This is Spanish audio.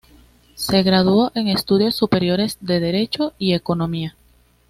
Se graduó en estudios superiores de derecho y economía.